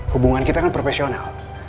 hubungan kita kan profesional